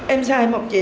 em sai một chuyện